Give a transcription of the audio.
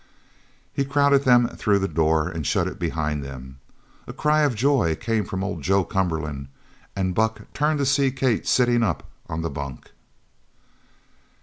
He crowded them through the door and shut it behind them. A cry of joy came from old Joe Cumberland and Buck turned to see Kate sitting up on the bunk.